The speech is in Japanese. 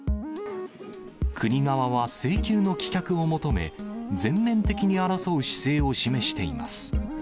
国側は請求の棄却を求め、全面的に争う姿勢を示しています。